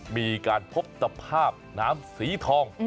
มีการพบตภาพน้ำสีทอง